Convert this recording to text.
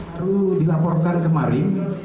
baru dilaporkan kemarin